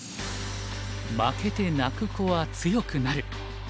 「負けて泣く子は強くなる」。